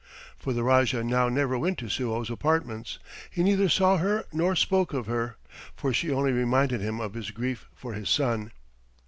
For the Rajah now never went to Suo's apartments. He neither saw her nor spoke of her, for she only reminded him of his grief for his son.